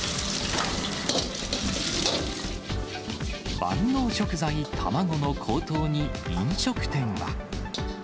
万能食材、卵の高騰に、飲食店は。